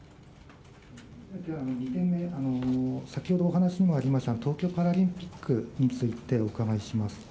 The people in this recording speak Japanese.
先ほどお話にもありました東京パラリンピックについてお伺いします。